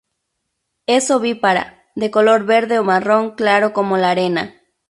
Es ovípara, de color verde o marrón claro como la arena.